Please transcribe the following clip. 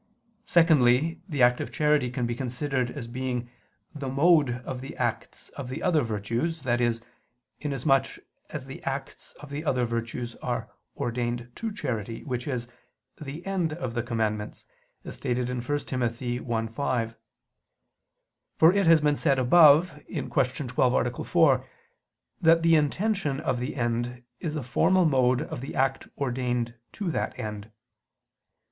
Secondly, the act of charity can be considered as being the mode of the acts of the other virtues, i.e. inasmuch as the acts of the other virtues are ordained to charity, which is "the end of the commandment," as stated in 1 Tim. i, 5: for it has been said above (Q. 12, A. 4) that the intention of the end is a formal mode of the act ordained to that end.